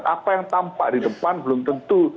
apa yang tampak di depan belum tentu